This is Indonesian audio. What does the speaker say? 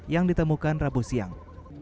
yang ditemukan rabu siang